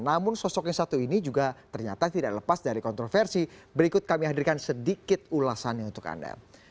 namun sosok yang satu ini juga ternyata tidak lepas dari kontroversi berikut kami hadirkan sedikit ulasannya untuk anda